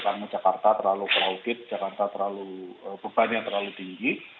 karena jakarta terlalu krautik jakarta terlalu beban yang terlalu tinggi